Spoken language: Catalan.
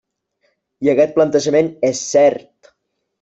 I aquest plantejament és cert.